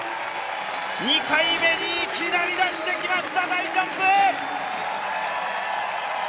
２回目にいきなり出してきました、大ジャンプ。